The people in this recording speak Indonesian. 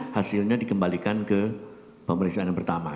hasilnya dikembalikan ke pemeriksaan yang pertama